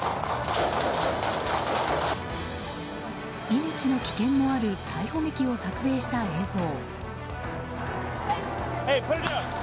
命の危険もある逮捕劇を撮影した映像。